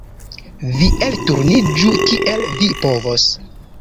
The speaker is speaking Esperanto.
Vi elturniĝu kiel vi povos.